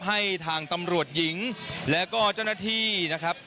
ให้ทางตำรวจหญิงแล้วก็เจ้าหน้าที่นะครับ